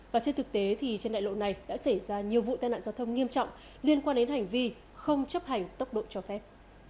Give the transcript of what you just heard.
và trên thực tế thì trên đại lộ này đã xảy ra nhiều vụ tai nạn giao thông nghiêm trọng liên quan đến hành vi không chấp hành tốc độ cho phép